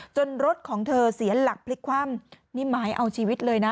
รถของเธอเสียหลักพลิกคว่ำนี่หมายเอาชีวิตเลยนะ